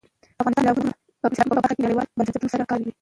افغانستان د سیلابونه په برخه کې نړیوالو بنسټونو سره کار کوي.